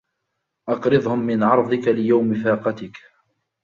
أَقْرِضْهُمْ مِنْ عَرْضِك لِيَوْمِ فَاقَتِك